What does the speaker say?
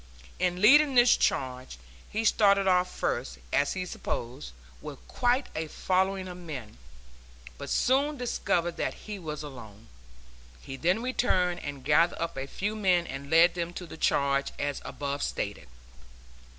In leading this charge, he started off first, as he supposed, with quite a following of men, but soon discovered that he was alone. He then returned and gathered up a few men and led them to the charge, as above stated.